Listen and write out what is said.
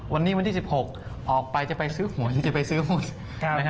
วันนี้วันที่๑๖ออกไปจะไปซื้อหวยจะไปซื้อหุ้น